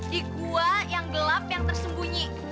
di gua yang gelap yang tersembunyi